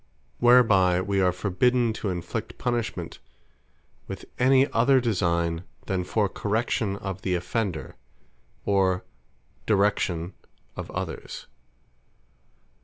Whereby we are forbidden to inflict punishment with any other designe, than for correction of the offender, or direction of others.